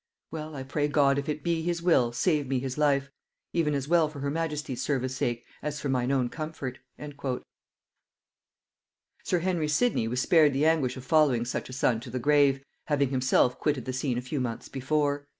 Well, I pray God, if it be his will, save me his life; even as well for her majesty's service sake, as for mine own comfort." [Note 95: "Sidney Papers."] Sir Henry Sidney was spared the anguish of following such a son to the grave, having himself quitted the scene a few months before.